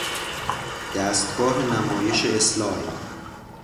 دستگاه نمایش اسلاید